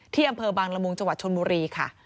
อำเภอบางละมุงจังหวัดชนบุรีค่ะ